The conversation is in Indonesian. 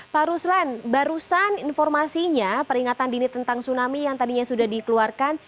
pak ruslan barusan informasinya peringatan dini tentang tsunami yang tadinya sudah dikeluarkan